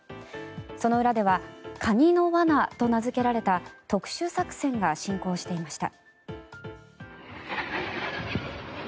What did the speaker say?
その裏ではカニの罠と名付けられた特殊作戦が進行していました。